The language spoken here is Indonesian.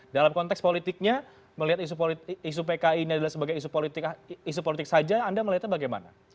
dalam konteks politiknya melihat isu pki ini adalah sebagai isu politik isu politik saja anda melihatnya bagaimana